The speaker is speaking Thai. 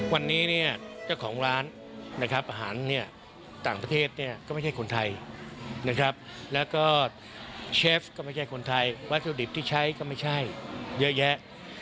วันนี้เนี่ยเจ้าของร้านนะครับอาหารเนี่ยต่างประเทศเนี่ยก็ไม่ใช่คนไทยนะครับแล้วก็เชฟก็ไม่ใช่คนไทยวัตถุดิบที่ใช้ก็ไม่ใช่เยอะแยะ